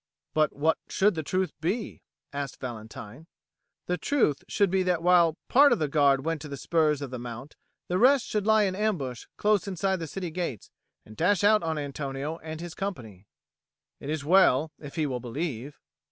"But what should the truth be?" asked Valentine. "The truth should be that while part of the Guard went to the spurs of the Mount, the rest should lie in ambush close inside the city gates and dash out on Antonio and his company." "It is well, if he will believe."